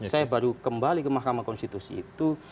saya baru kembali ke mahkamah konstitusi itu